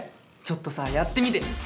ちょっとさやってみてよ。